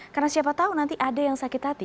karena siapa tahu nanti ada yang sakit hati